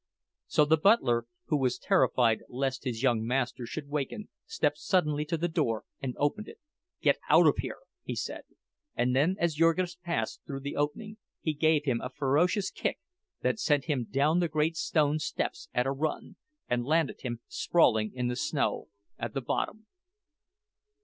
So the butler, who was terrified lest his young master should waken, stepped suddenly to the door, and opened it. "Get out of here!" he said; and then as Jurgis passed through the opening, he gave him a ferocious kick that sent him down the great stone steps at a run, and landed him sprawling in the snow at the bottom.